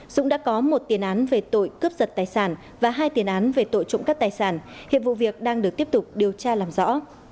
dũng đã có một tiền án về tội cướp giật tài sản và hai tiền án về tội trộm cắp tài sản hiệp vụ việc đang được tiếp tục điều tra làm rõ